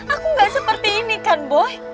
aku gak seperti ini kan boy